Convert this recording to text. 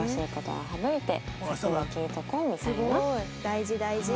大事大事。